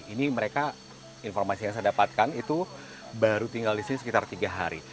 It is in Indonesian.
ini mereka informasi yang saya dapatkan itu baru tinggal di sini sekitar tiga hari